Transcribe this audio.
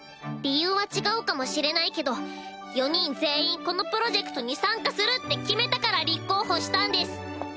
理由は違うかもしれないけど４人全員このプロジェクトに参加するって決めたから立候補したんです。